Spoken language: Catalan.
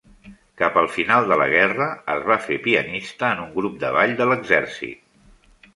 Cap al final de la guerra, es va fer pianista en un grup de ball de l'exèrcit.